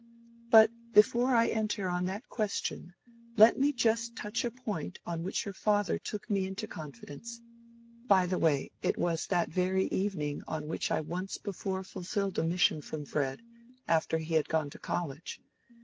"But before I enter on that question, let me just touch a point on which your father took me into confidence; by the way, it was that very evening on which I once before fulfilled a mission from Fred, just after he had gone to college.